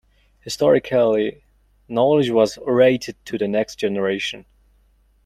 Historically, knowledge was orated to the next generation.